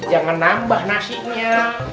jangan nambah nasinya